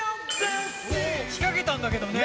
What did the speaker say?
仕掛けたんだけどね。